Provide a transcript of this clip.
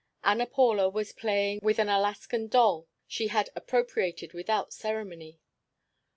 Ana Paula was playing with an Alaskan doll she had appropriated without ceremony.